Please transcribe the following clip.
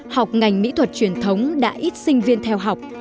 học ngành mỹ thuật truyền thống đã ít sinh viên theo học